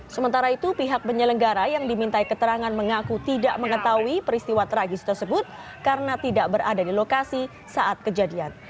sementara itu pihak penyelenggara yang dimintai keterangan mengaku tidak mengetahui peristiwa tragis tersebut karena tidak berada di lokasi saat kejadian